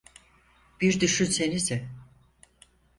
Bir düşünsenize.